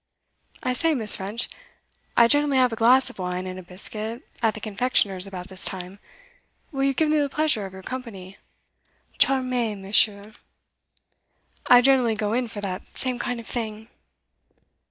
I say, Miss. French, I generally have a glass of wine and a biscuit, at the confectioner's, about this time. Will you give me the pleasure of your company?' 'Charmee, Monsieur! I generally go in for the same kind of thing.